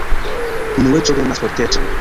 Unueco donas fortecon.